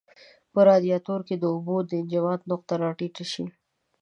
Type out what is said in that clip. په رادیاتور کې د اوبو د انجماد نقطه را ټیټه شي.